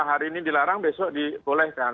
hari ini dilarang besok dibolehkan